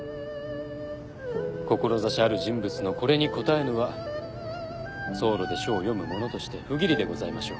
志ある人物のこれに応えぬは草廬で書を読む者として不義理でございましょう。